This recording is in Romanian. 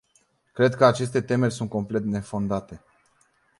Cred că aceste temeri sunt complet nefondate.